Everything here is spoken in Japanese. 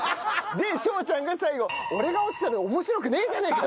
で翔ちゃんが最後「俺が落ちたの面白くねえじゃねえか！」